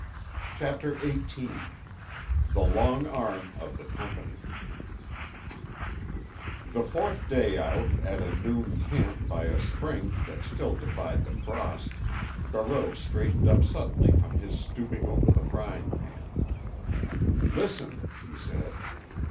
CHAPTER XVIII—THE LONG ARM OF THE COMPANY The fourth day out, at a noon camp by a spring that still defied the frost, Barreau straightened up suddenly from his stooping over the frying pan. "Listen," he said.